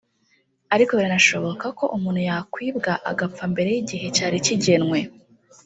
ariko biranashoboka ko umuntu yakwibwa agapfa mbere y’igihe cyari kigenwe